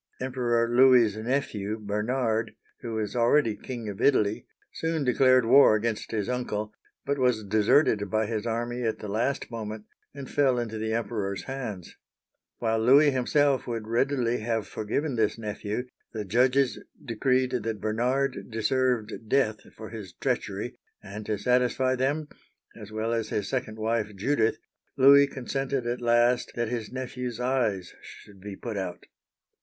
Emperor Louis's nephew Bernard, who was already king of Italy, soon declared war against his uncle, but was de serted by his army at the last moment, and fell into the Emperor's hands. While Louis himself would readily have forgiven this nephew, the judges decreed that Bernard deserved death for his treachery, and to satisfy them, as Digitized by Google LOUIS I. (814 840) 87 well as his second wife, Judith, Louis consented at last that his nephew's eyes should be put out.